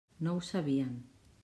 No ho sabien.